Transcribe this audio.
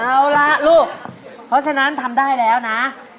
เอาล่ะลูกเพราะฉะนั้นทำได้แล้วนะ